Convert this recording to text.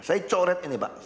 saya coret ini pak